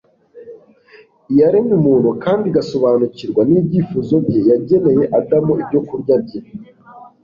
iyaremye umuntu kandi igasobanukirwa n'ibyifuzo bye, yageneye adamu ibyokurya bye